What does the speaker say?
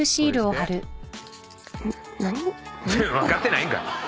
分かってないんかい！